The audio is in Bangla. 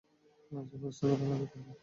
নাচার ব্যবস্থা করা লাগে তাহলে।